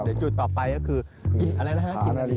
เดี๋ยวจุดต่อไปก็คืออะไรนะครับ